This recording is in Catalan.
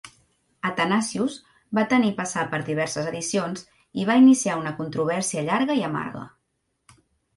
"Athanasius" va tenir passar per diverses edicions i va iniciar una controvèrsia llarga i amarga.